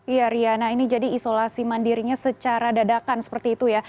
iya riana ini jadi isolasi mandirinya secara dadakan seperti itu ya